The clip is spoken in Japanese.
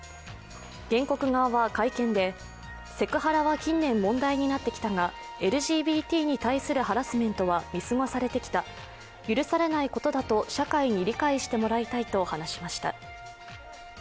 原告側は会見で、セクハラは近年問題になってきたがＬＧＢＴに対するハラスメントは見過ごされてきた許されないことだと社会に理解してもらいたいと話しました。